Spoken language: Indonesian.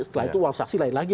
setelah itu uang saksi lain lagi